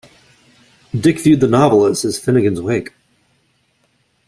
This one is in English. Dick viewed the novel as his "Finnegans Wake".